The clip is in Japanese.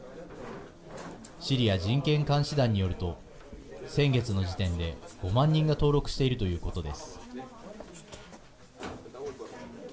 シリア人権監視団によると先月の時点で５万人が登録しているということです。